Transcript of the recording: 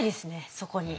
そこに。